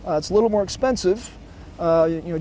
ini sedikit lebih mahal